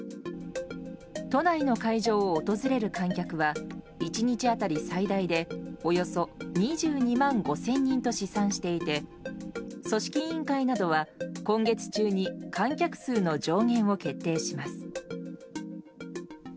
都内の会場を訪れる観客は１日当たり最大でおよそ２２万５０００人と試算していて組織委員会などは今月中に観客数の上限を決定します。